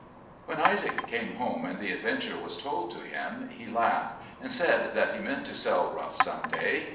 When Isaac came home and the adventure was told to him he laughed and said that he meant to sell Rough some day.